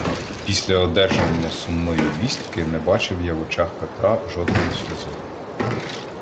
Після одержання сумної вістки не бачив я в очах Петра жодної сльози.